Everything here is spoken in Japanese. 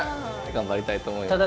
頑張りたいと思います。